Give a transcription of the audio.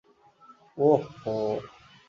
ওহ, হো।